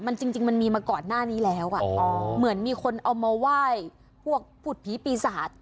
มันจริงมันมีมาก่อนหน้านี้แล้วอ่ะอ๋อเหมือนมีคนเอามาไหว้พวกผุดผีปีศาจ